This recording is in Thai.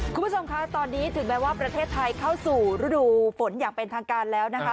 คุณผู้ชมคะตอนนี้ถึงแม้ว่าประเทศไทยเข้าสู่ฤดูฝนอย่างเป็นทางการแล้วนะคะ